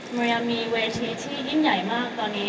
พยายามมีเวทีที่ยิ่งใหญ่มากตอนนี้